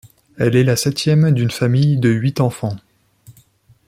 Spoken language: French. Elle est la septième d’une famille de huit enfants.